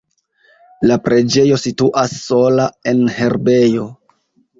La preĝejo situas sola en herbejo.